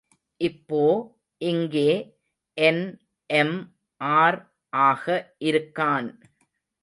இப்போ இங்கே என்.எம்.ஆர்.ஆக இருக்கான்.